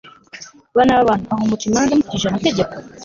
bana b'abantu, aho muca imanza mukurikije amategeko